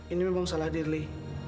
ini memang salah diri